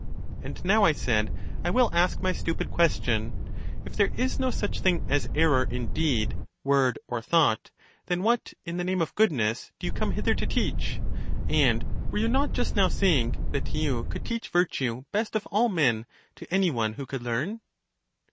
And now, I said, I will ask my stupid question : If there is no such thing as error in deed, word, or thought, then what, in the name of goodness, do you come hither to teach? And were you not just now saying that you could teach virtue best of all men, to any one who could learn?